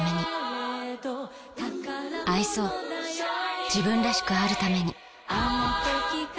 「宝物だよ」愛そう自分らしくあるために。